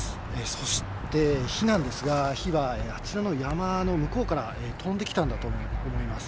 そして火なんですが、火はあちらの山の向こうから飛んできたんだと思います。